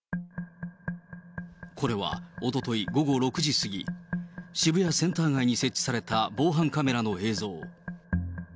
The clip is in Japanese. これはおととい午後６時過ぎ、渋谷センター街に設置された防犯カメラの映像。